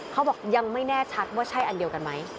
เขาบอกยังไม่แน่ชัดว่าใช่อันเดียวกันไหม